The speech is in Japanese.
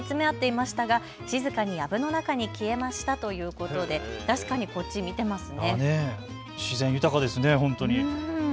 しばらく見つめ合っていましたが静かにやぶの中に消えましたということで確かにこっち見てますね。